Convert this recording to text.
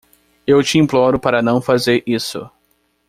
Eu te imploro para não fazer isso.